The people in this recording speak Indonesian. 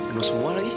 penduk semua lagi